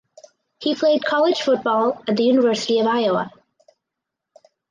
He played college football at the University of Iowa.